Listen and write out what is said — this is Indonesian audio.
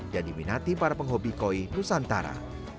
dan diminati para penghobi koi nusantara